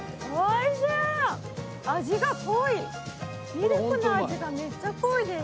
ミルクの味がめっちゃ濃いです。